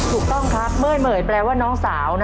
ถูกต้องครับเม่ยเม่ยแปลว่าน้องสาวนะคะ